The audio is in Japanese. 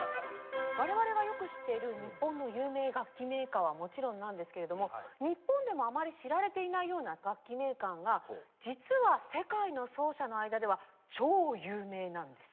我々がよく知っている日本の有名楽器メーカーはもちろんなんですけれども日本でもあまり知られていないような楽器メーカーが実は世界の奏者の間では超有名なんです。